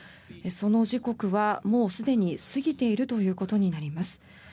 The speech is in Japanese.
その時刻はもうすでに過ぎているということになります。